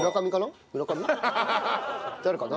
誰かな？